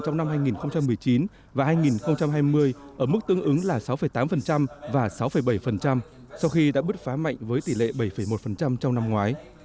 trong năm hai nghìn một mươi chín và hai nghìn hai mươi ở mức tương ứng là sáu tám và sáu bảy sau khi đã bứt phá mạnh với tỷ lệ bảy một trong năm ngoái